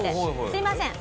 すみません。